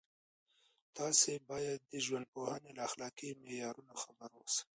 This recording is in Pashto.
تاسو باید د ژوندپوهنې له اخلاقي معیارونو خبر اوسئ.